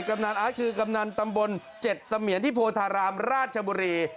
ำนานอาร์ตคือกำนันตำบล๗เสมียนที่โพธารามราชบุรี